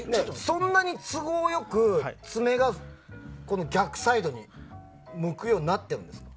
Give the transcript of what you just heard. そんなに都合よく爪が逆サイドに向くようになってるんですか？